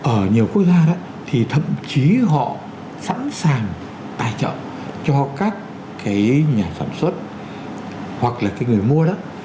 ở nhiều quốc gia thì thậm chí họ sẵn sàng tài trợ cho các cái nhà sản xuất hoặc là cái người mua đó